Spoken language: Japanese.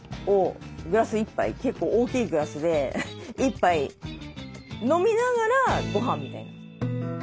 結構大きいグラスで１杯飲みながらごはんみたいな。